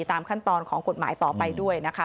ตามขั้นตอนของกฎหมายต่อไปด้วยนะคะ